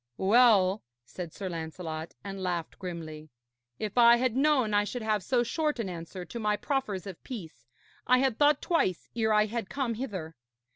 'Well,' said Sir Lancelot, and laughed grimly, 'if I had known I should have so short an answer to my proffers of peace, I had thought twice ere I had come hither.